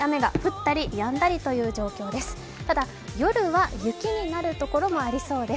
ただ、夜は雪になる所もありそうです。